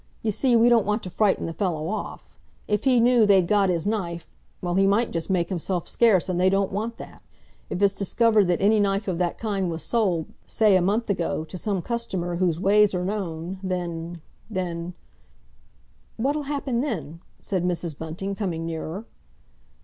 You see, we don't want to frighten the fellow off. If he knew they'd got his knife—well, he might just make himself scarce, and they don't want that! If it's discovered that any knife of that kind was sold, say a month ago, to some customer whose ways are known, then—then—" "What'll happen then?" said Mrs. Bunting, coming nearer.